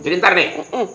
jadi ntar nih